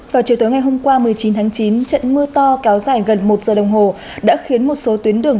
vào chiều tối ngày hôm qua một mươi chín tháng chín trận mưa to kéo dài gần một giờ đồng hồ đã khiến một số tuyến đường